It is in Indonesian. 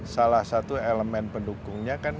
salah satu elemen pendukungnya kan